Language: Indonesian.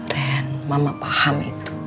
ren mama paham itu